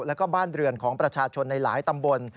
แล้วก็บ้านเรือนของประชาชนในหลายตำบล